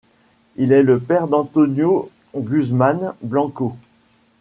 Il est le père d'Antonio Guzmán Blanco.